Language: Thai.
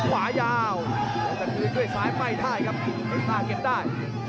เอ็กต้าเก็บได้